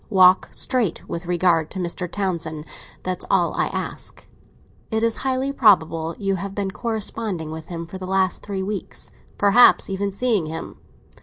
Walk straight with regard to Mr. Townsend; that's all I ask. It is highly probable you have been corresponding with him for the last three weeks—perhaps even seeing him.